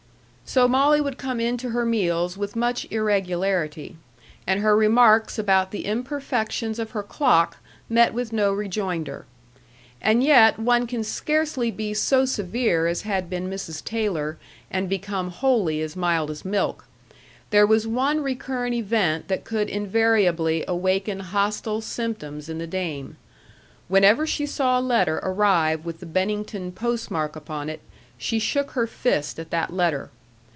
So Molly would come in to her meals with much irregularity; and her remarks about the imperfections of her clock met with no rejoinder. And yet one can scarcely be so severe as had been Mrs. Taylor, and become wholly as mild as milk. There was one recurrent event that could invariably awaken hostile symptoms in the dame. Whenever she saw a letter arrive with the Bennington postmark upon it, she shook her fist at that letter.